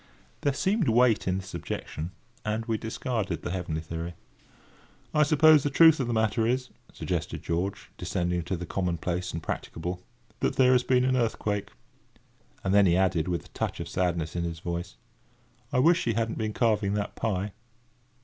There seemed weight in this objection, and we discarded the heavenly theory. "I suppose the truth of the matter is," suggested George, descending to the commonplace and practicable, "that there has been an earthquake." And then he added, with a touch of sadness in his voice: "I wish he hadn't been carving that pie."